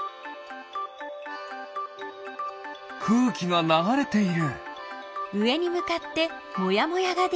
くうきがながれている。